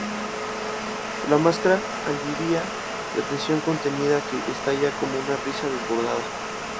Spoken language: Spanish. La máscara alivia la tensión contenida, que estalla como una risa desbordada".